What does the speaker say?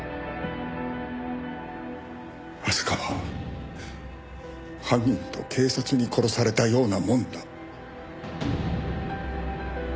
明日香は犯人と警察に殺されたようなもんだ。